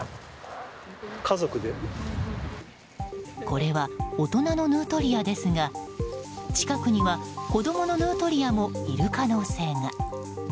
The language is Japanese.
これは大人のヌートリアですが近くには子供のヌートリアもいる可能性が。